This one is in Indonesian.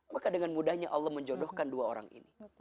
maka dengan mudahnya allah menjodohkan dua orang ini